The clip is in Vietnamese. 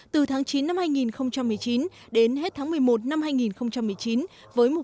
từ tháng chín năm hai nghìn một mươi chín đến hết tháng một mươi một năm hai nghìn một mươi chín với mục